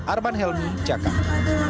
arman helmi jakarta